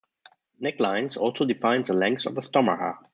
Necklines also defined the length of a stomacher.